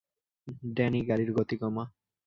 Danny, গাড়ির গতি কমা।